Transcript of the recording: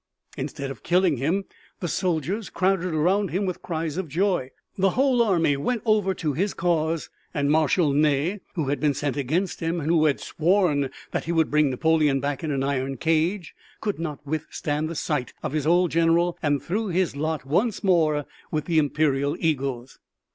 Instead of killing him the soldiers crowded around him with cries of joy. The whole army went over to his cause, and Marshal Ney, who had been sent against him and who had sworn that he would bring Napoleon back in an iron cage, could not withstand the sight of his old general and threw his lot once more with the Imperial eagles.